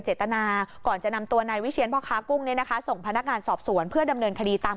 เจตนาก่อนจะนำตัวนายวิเชียนพ่อค้ากุ้งเนี่ยนะคะส่งพนักงานสอบสวนเพื่อดำเนินคดีตาม